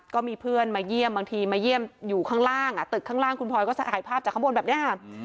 ก็มีเพื่อนมาเยี่ยมบางทีมาเยี่ยมอยู่ข้างล่างตึกข้างล่างคุณพลอยก็ถ่ายภาพจากข้างบนแบบนี้ค่ะ